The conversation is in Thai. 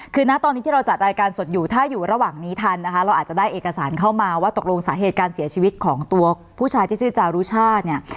คือนะตอนนี้ที่เราจัดรายการสดอยู่ถ้าอยู่ระหว่างนี้ทันนะคะเราอาจจะได้เอกสารเข้ามาว่าตกลงสาเหตุการเสียชีวิตของตัวผู้ชายที่ชื่อจารุชาติเนี่ย